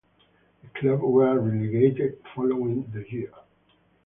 The club were relegated following the year.